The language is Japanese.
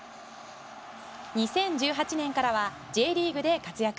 ２０１８年からはＪリーグで活躍。